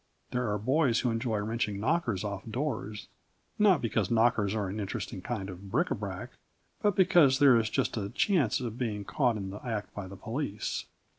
There are boys who enjoy wrenching knockers off doors, not because knockers are an interesting kind of bric à brac, but because there is just a chance of being caught in the act by the police.